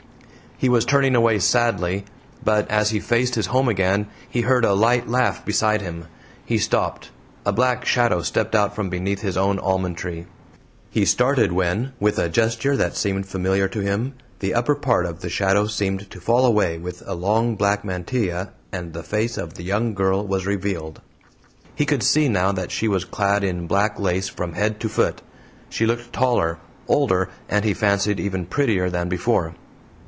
He was turning away sadly, but as he faced his home again he heard a light laugh beside him. He stopped. A black shadow stepped out from beneath his own almond tree. He started when, with a gesture that seemed familiar to him, the upper part of the shadow seemed to fall away with a long black mantilla and the face of the young girl was revealed. He could see now that she was clad in black lace from head to foot. She looked taller, older, and he fancied even prettier than before.